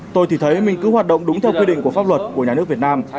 tôi thì thấy mình cứ hoạt động đúng theo quy định của pháp luật của nhà nước việt nam